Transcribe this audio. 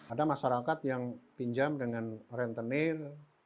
ada masyarakat yang pinjam dengan rentenir